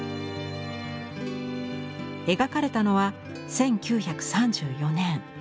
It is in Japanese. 描かれたのは１９３４年。